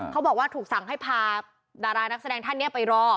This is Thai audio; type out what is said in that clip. เขาบอกว่าถูกสั่งให้พาดารานักแสดงท่านนี้ไปรอ